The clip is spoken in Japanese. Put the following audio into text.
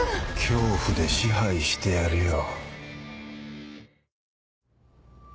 恐怖で支配してやるよ。